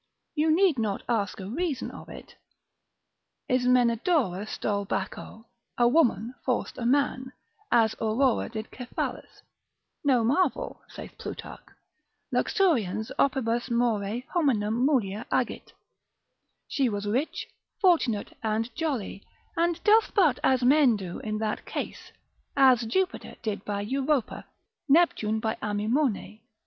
You need not ask a reason of it. Ismenedora stole Baccho, a woman forced a man, as Aurora did Cephalus: no marvel, saith Plutarch, Luxurians opibus more hominum mulier agit: she was rich, fortunate and jolly, and doth but as men do in that case, as Jupiter did by Europa, Neptune by Amymone.